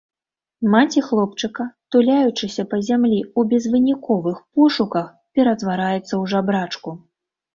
Маці хлопчыка, туляючыся па зямлі ў безвыніковых пошуках, ператвараецца ў жабрачку.